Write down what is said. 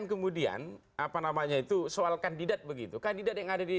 kembali sesaat lagi